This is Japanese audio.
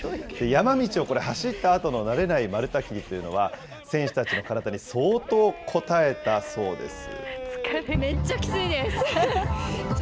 山道をこれ、走ったあとの慣れない丸太切りというのは、選手たちの体に相当こたえたそうです。